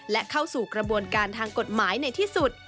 และเข้าสู่กระบวนการทางกฎหมายในที่สุด